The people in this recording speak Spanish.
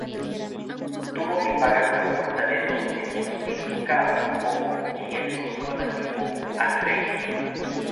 Tuvo que pagar una multa de doscientos mil ducados como "generoso donativo" al rey.